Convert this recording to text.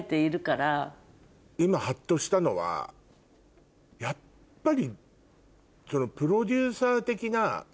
今ハッとしたのはやっぱり。